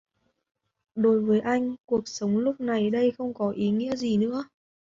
Đối với anh Cuộc sống lúc này đây không còn ý nghĩa gì nữa